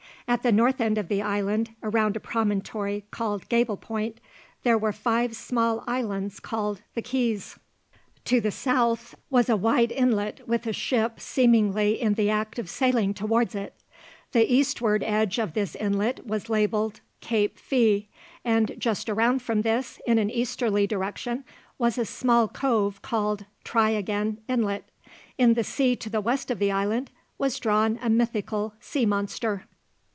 At the north end of the island, around a promontory called Gable Point, there were five small islands called The Keys. To the south was a wide inlet with a ship seemingly in the act of sailing towards it. The eastward edge of this inlet was labelled Cape Fea and just around from this, in an easterly direction wa a small cove called Try Again Inlet. In the sea to the west of the island was drawn a mythical sea monster.